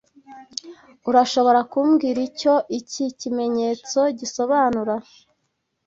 Urashobora kumbwira icyo iki kimenyetso gisobanura?